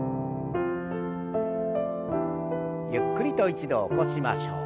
ゆっくりと一度起こしましょう。